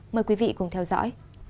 mời quý vị cùng theo dõi